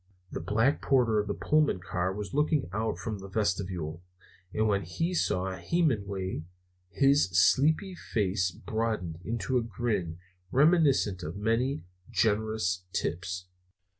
The black porter of the Pullman car was looking out from the vestibule, and when he saw Hemenway his sleepy face broadened into a grin reminiscent of many generous tips.